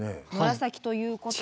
紫ということは。